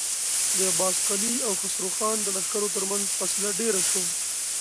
د عباس قلي او خسرو خان د لښکرو تر مينځ فاصله ډېره شوه.